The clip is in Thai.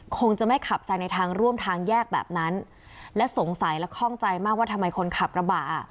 คงจะไม่ขับแซงในทางร่วมทางแยกแบบนั้นและสงสัยและข้องใจมากว่าทำไมคนขับกระบะอ่ะ